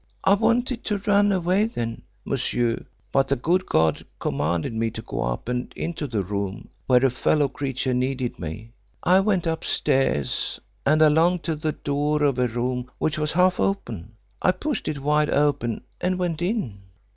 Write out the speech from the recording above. I wanted to run away then, monsieur, but the good God commanded me to go up and into the room, where a fellow creature needed me. I went upstairs, and along to the door of a room which was half open. I pushed it wide open and went in.